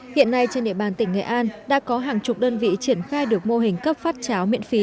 hiện nay trên địa bàn tỉnh nghệ an đã có hàng chục đơn vị triển khai được mô hình cấp phát cháo miễn phí